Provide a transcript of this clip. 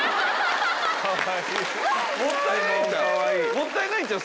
もったいないんちゃう？